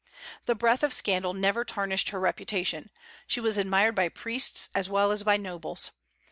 The breath of scandal never tarnished her reputation; she was admired by priests as well as by nobles.